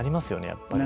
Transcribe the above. やっぱりね。